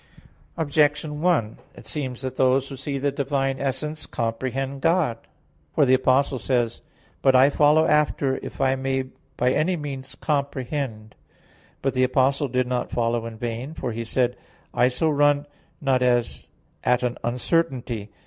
Objection 1: It seems that those who see the divine essence, comprehend God. For the Apostle says (Phil. 3:12): "But I follow after, if I may by any means comprehend [Douay: 'apprehend']." But the Apostle did not follow in vain; for he said (1 Cor. 9:26): "I ... so run, not as at an uncertainty."